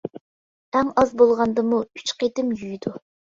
ئەڭ ئاز بولغاندىمۇ ئۈچ قېتىم يۇيىدۇ.